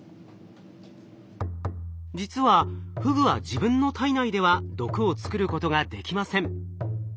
実はフグは自分の体内では毒を作ることができません。